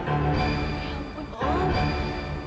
ya ampun om